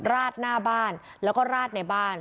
ราดหน้าบ้านแล้วก็ราดในบ้าน